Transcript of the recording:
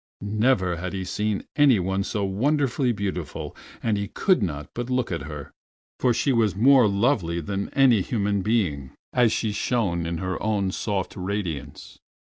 Never had he seen any one so wonderfully beautiful, and he could not but look at her, for she was more lovely than any human being as she shone in her own soft radiance.